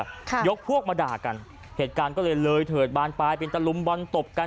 ยกพวกมาด่ากันเหตุการณ์ก็เลยเลยเถิดบานปลายเป็นตะลุมบอลตบกัน